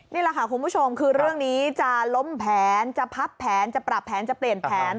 นี่แหละค่ะคุณผู้ชมคือเรื่องนี้จะล้มแผนจะพับแผนจะปรับแผนจะเปลี่ยนแผน